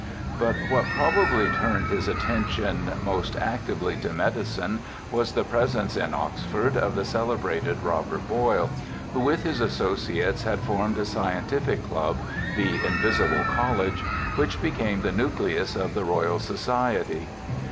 But what probably turned his attention most 70 BIOGRAPHICAL ESSAYS actively to medicine was the presence in Oxford of the celebrated Robert Boyle, who with his associates had formed a scientific club, the ' invisible college ', which became the nucleus of the Royal Society.